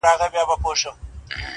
سرونه رغړي ویني وبهیږي٫